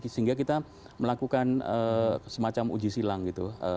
sehingga kita melakukan semacam uji silang gitu